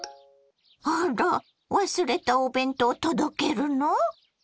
あら忘れたお弁当届けるの？